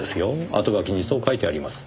あとがきにそう書いてあります。